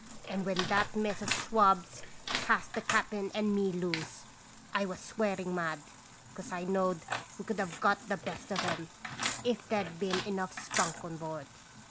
And when that mess of swabs cast the cap'n and me loose, I was swearing mad, 'cause I knowed we could have got the best of 'em, if there 'd been enough spunk on board.